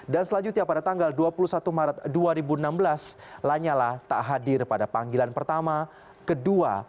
dan selanjutnya pada tanggal dua puluh satu maret dua ribu enam belas lanyala tak hadir pada panggilan pertama kedua